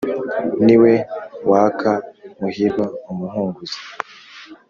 ni we waka muhirwa umuhunguzi,